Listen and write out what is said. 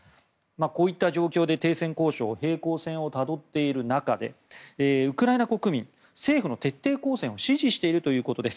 こういった状況で停戦交渉平行線をたどっている中でウクライナ国民政府の徹底抗戦を支持しているということです。